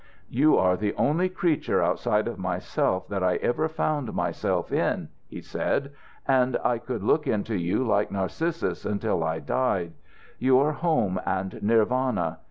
"'You are the only creature outside of myself that I ever found myself in,' he said. 'And I could look into you like Narcissus until I died. You are home and Nirvana.